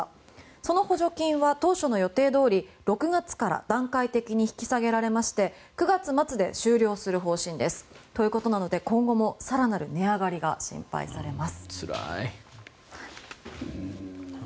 その補助金は当初の予定どおり６月から段階的に引き下げられて９月末で終了する方針ということで今後も更なる値上がりが心配されます。